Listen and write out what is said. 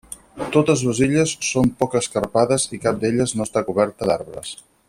Totes les illes són poc escarpades i cap d'elles no està coberta d'arbres.